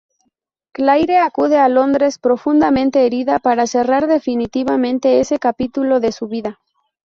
Claire acude a Londres profundamente herida para cerrar definitivamente ese capítulo de su vida.